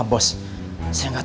aku mau ke rumah